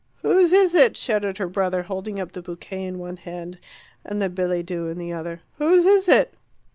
"Whose is it?" shouted her brother, holding up the bouquet in one hand and the billet doux in the other. "Whose is it?"